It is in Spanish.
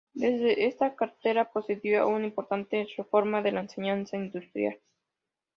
Desde esta cartera procedió a una importante reforma de la enseñanza industrial.